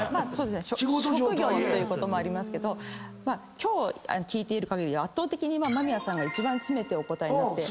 職業ということもありますけど今日聞いているかぎりでは圧倒的に間宮さんが一番詰めてお答えになって。